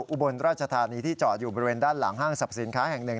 อุบลราชธานีที่จอดอยู่บริเวณด้านหลังห้างสรรพสินค้าแห่งหนึ่ง